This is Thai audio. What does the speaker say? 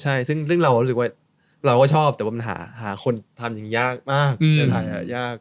ใช่ซึ่งเราก็รู้สึกว่าเราก็ชอบแต่ว่ามันหาคนทำอย่างยากมากในถ่ายน่ายาก